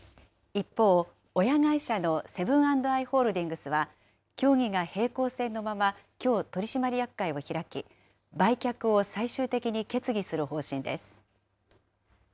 一方、親会社のセブン＆アイ・ホールディングスは、協議が平行線のまま、きょう、取締役会を開き、売却を最終的に決議する方針です。